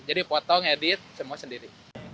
jadi potong edit semua sendiri